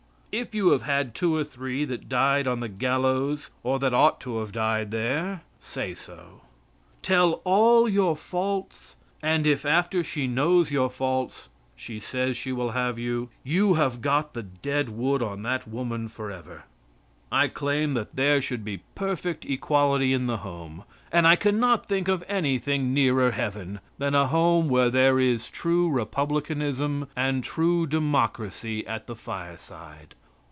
If you have had two or three that died on the gallows, or that ought to have died there, say so. Tell all your faults and if after she knows your faults she says she will have you, you have got the dead wood on that woman forever. I claim that there should be perfect equality in the home, and I can not think of anything nearer Heaven than a home where there is true republicanism and true democracy at the fireside.